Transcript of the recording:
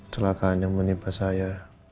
celakaan yang menimpa saya